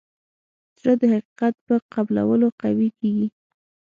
زړه د حقیقت په قبلولو قوي کېږي.